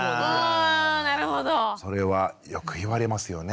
それはよく言われますよね。